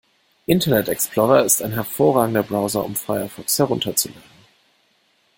Internet Explorer ist ein hervorragender Browser, um Firefox herunterzuladen.